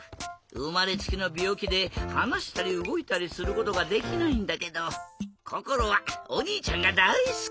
うまれつきのびょうきではなしたりうごいたりすることができないんだけどこころはおにいちゃんがだいすき！